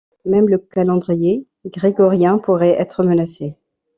Même le calendrier grégorien pourrait être menacé.